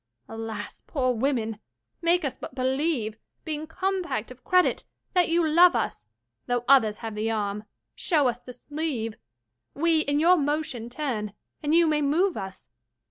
20 Alas, poor women! make us but believe, Being compact of credit, that you love us; Though others have the arm, show us the sleeve; We in your motion turn, and you may move us.